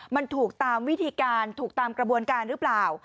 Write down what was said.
มันถูกตามวิธีการถูกตามกระบวนการหรือเปล่า